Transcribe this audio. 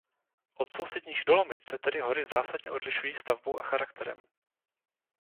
Od sousedních Dolomit se tedy hory zásadně odlišují stavbou a charakterem.